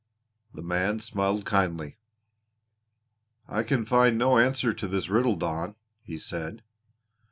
The man smiled kindly. "I can find no answer to this riddle, Don," he said.